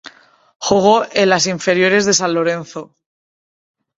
Jugó en las inferiores de San Lorenzo.